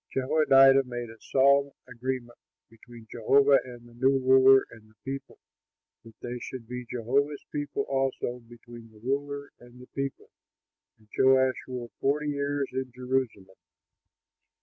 Jehoiada made a solemn agreement between Jehovah and the new ruler and the people, that they should be Jehovah's people; also between the ruler and the people, and Joash ruled forty years in Jerusalem.